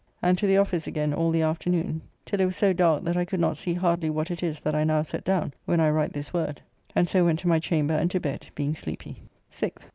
And to the office again all the afternoon, till it was so dark that I could not see hardly what it is that I now set down when I write this word, and so went to my chamber and to bed, being sleepy. 6th.